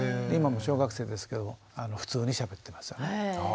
今もう小学生ですけれども普通にしゃべってますよね。